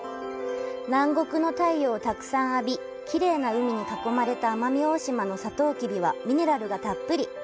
南国の太陽をたくさん浴び、きれいな海に囲まれた奄美大島のサトウキビはミネラルがたっぷり！